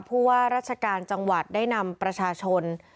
ผู้ว่าราชการจังหวัดได้นำประชาชน